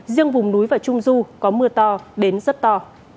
riêng vùng núi và trung du có mưa to đến rất to